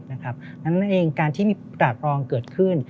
ดังนั้นเองการที่มีตราบรองเกิดขึ้น